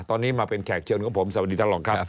ตอนนี้มาเป็นแขกเชิญของผมสวัสดีท่านรองครับ